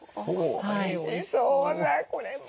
おいしそうだこれも。